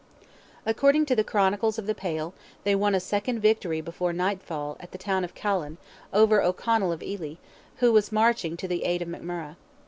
According to the chronicles of the Pale, they won a second victory before nightfall at the town of Callan, over O'Carroll of Ely, who was marching to the aid of McMurrogh.